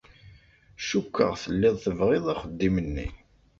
Cukkeɣ telliḍ tebɣiḍ axeddim-nni.